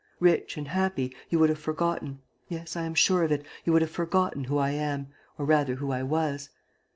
Rich and happy, you would have forgotten yes, I am sure of it you would have forgotten who I am, or rather who I was.